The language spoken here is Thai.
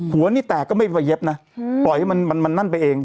หัวนี่แตกก็ไม่พอเย็บนะปล่อยให้มันนั่นไปเอง